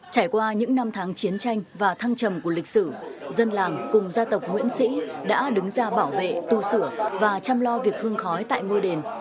trải qua những năm tháng chiến tranh và thăng trầm của lịch sử dân làng cùng gia tộc nguyễn sĩ đã đứng ra bảo vệ tu sửa và chăm lo việc hương khói tại ngôi đền